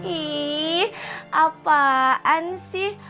ih apaan sih